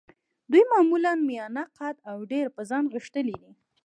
دوی معمولاً میانه قده او ډېر په ځان غښتلي دي.